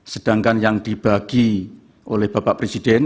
sedangkan yang dibagi oleh bapak presiden